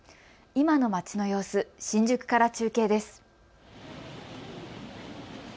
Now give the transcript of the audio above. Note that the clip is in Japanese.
今の街の様子、新宿から中継です。